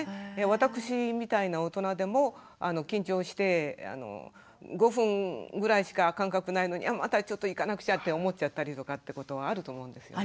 私みたいな大人でも緊張して５分ぐらいしか間隔ないのにまたちょっと行かなくちゃって思っちゃったりとかってことはあると思うんですよね。